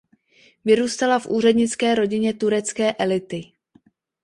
Vyrůstala v úřednické rodině turecké elity.